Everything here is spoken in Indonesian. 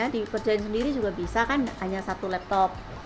diperjain sendiri juga bisa kan hanya satu laptop